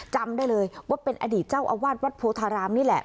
จำได้เลยว่าเป็นอดีตเจ้าอาวาสวัดโพธารามนี่แหละ